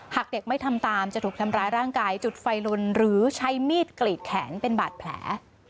หากเด็กไม่ทำตามจะถูกทำร้ายร่างกายจุดไฟลนหรือใช้มีดกรีดแขนเป็นบาดแผล